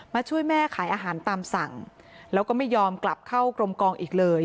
ช่วยแม่ขายอาหารตามสั่งแล้วก็ไม่ยอมกลับเข้ากรมกองอีกเลย